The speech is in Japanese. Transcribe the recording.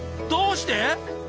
どうして？